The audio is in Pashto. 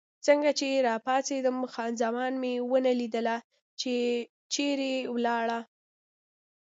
څنګه چې راپاڅېدم، خان زمان مې ونه لیدله، چې چېرې ولاړه.